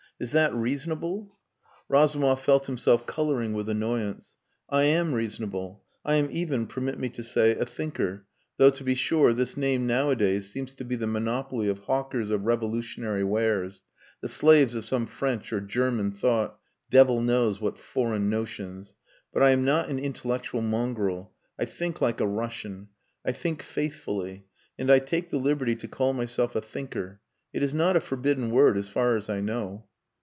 "Is that reasonable?" Razumov felt himself colouring with annoyance. "I am reasonable. I am even permit me to say a thinker, though to be sure, this name nowadays seems to be the monopoly of hawkers of revolutionary wares, the slaves of some French or German thought devil knows what foreign notions. But I am not an intellectual mongrel. I think like a Russian. I think faithfully and I take the liberty to call myself a thinker. It is not a forbidden word, as far as I know."